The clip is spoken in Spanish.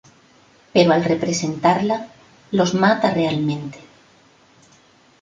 Pero al representarla los mata realmente.